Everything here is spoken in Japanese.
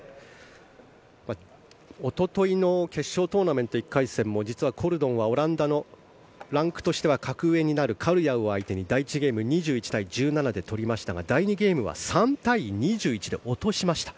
おとといの決勝トーナメント１回戦も実はコルドンは、オランダのランクとしては格上になるカルヤウを相手に第１ゲーム取りましたが第２ゲームは落としました。